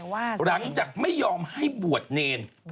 หลังจากไม่ยอมให้บวชเนร